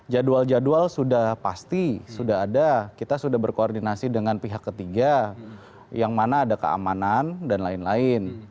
jadwal jadwal sudah pasti sudah ada kita sudah berkoordinasi dengan pihak ketiga yang mana ada keamanan dan lain lain